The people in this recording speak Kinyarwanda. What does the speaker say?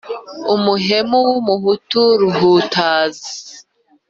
umuhemu w’umuhutu ruhutazi